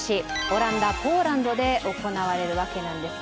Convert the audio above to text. オランダ、ポーランドで行われるわけです。